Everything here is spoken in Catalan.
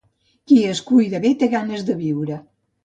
Qui es cuida bé té ganes de viure.